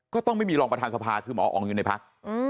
ก็ต้องไม่มีรองประธานสภาคือหมออ๋องอยู่ในพัก